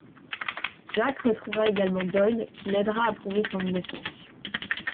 Jack retrouvera également Doyle, qui l'aidera à prouver son innocence.